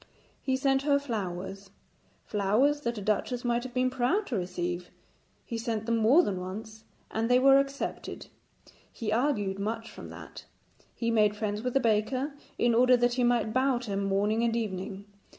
He sent her flowers flowers that a duchess might have been proud to receive. He sent them more than once, and they were accepted; he argued much from that. He made friends with the baker in order that he might bow to him morning and evening.